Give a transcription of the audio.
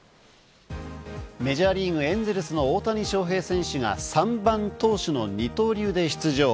メジャーリーグ・エンゼルスの大谷翔平選手が、３番・投手の二刀流で出場。